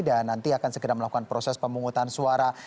dan nanti akan segera melakukan proses pemungutan suara